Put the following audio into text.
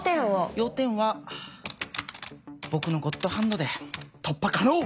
要点は僕のゴッドハンドで突破可能！